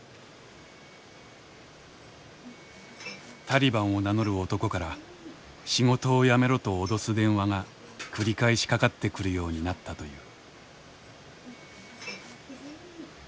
タリバンを名乗る男から「仕事を辞めろ」と脅す電話が繰り返しかかってくるようになったという。